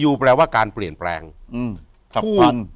อยู่ที่แม่ศรีวิรัยิลครับ